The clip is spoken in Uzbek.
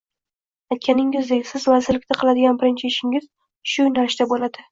Aytganingizdek, siz vazirlikda qiladigan birinchi ishingiz shu yo'nalishda bo'ladi.